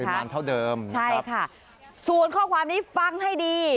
นานเท่าเดิมใช่ค่ะส่วนข้อความนี้ฟังให้ดี